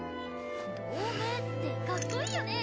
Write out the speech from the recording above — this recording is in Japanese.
同盟ってかっこいいよね。